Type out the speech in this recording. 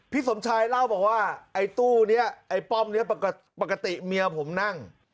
สมชายเล่าบอกว่าไอ้ตู้นี้ไอ้ป้อมนี้ปกติเมียผมนั่ง